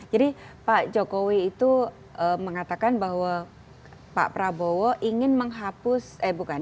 jadi pak jokowi itu mengatakan bahwa pak prabowo ingin menghapus eh bukan